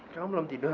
kamu belum tidur